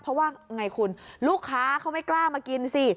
เพราะว่าไงคุณลูกค้าเขาไม่กล้ามากินสิ